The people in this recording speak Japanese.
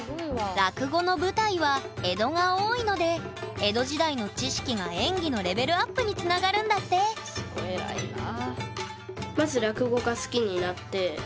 落語の舞台は江戸が多いので江戸時代の知識が演技のレベルアップにつながるんだって偉いなあ。